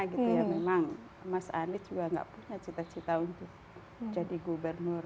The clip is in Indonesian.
memang mas anies juga tidak punya cita cita untuk jadi gubernur